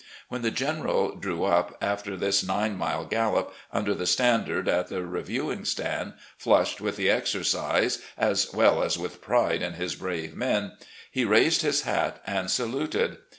When the General drew up, after this nine mile gallop, under the standard at the reviewing stand, flushed with the exercise as well as with pride in his brave men, he raised his hat and saluted.